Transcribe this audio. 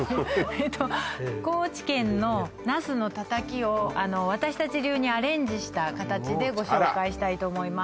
えと高知県のナスのたたきをあの私たち流にアレンジした形でご紹介したいと思います